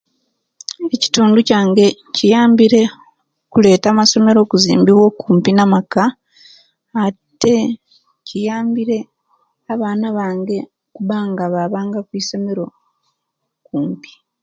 Ekitundu kyange kiyambire okuleta amasomero okuzimbiwa kumpi namaka ate kiyambire abaana bange kuba nga babanga kwisomero kumpi